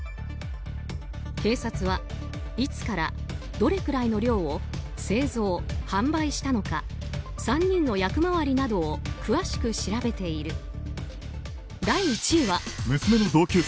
警察はいつから、どれくらいの量を製造・販売したのか３人の役回りなどを詳しく調べている。